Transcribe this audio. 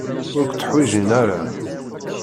Ur k-tteḥwijin ara.